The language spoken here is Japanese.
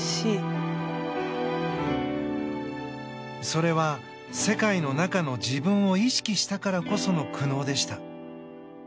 それは世界の中の自分を意識したからこその苦悩でした。